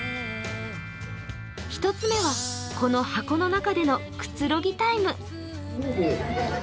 一つ目は、この箱の中でのくつろぎタイム。